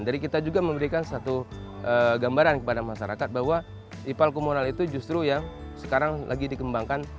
dari kita juga memberikan satu gambaran kepada masyarakat bahwa ipal komunal itu justru yang sekarang lagi dikembangkan